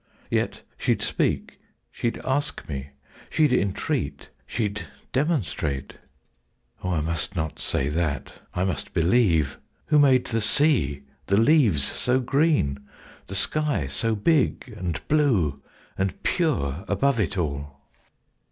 —Yet she'd speak: She'd ask me: she'd entreat: she'd demonstrate. O I must not say that! I must believe! Who made the sea, the leaves so green, the sky So big and blue and pure above it all?